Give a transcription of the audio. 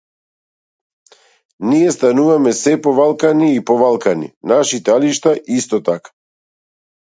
Ние стануваме сѐ повалкани и повалкани, нашите алишта исто така.